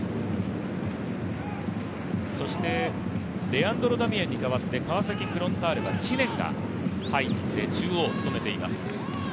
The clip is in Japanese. レアンドロ・ダミアンに代わって川崎フロンターレは知念が入って中央を務めています。